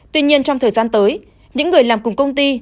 tuy nhiên trong thời gian tới những người làm cùng công ty